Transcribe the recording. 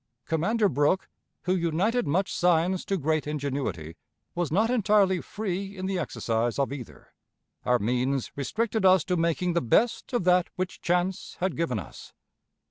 Commander Brooke, who united much science to great ingenuity, was not entirely free in the exercise of either. Our means restricted us to making the best of that which chance had given us.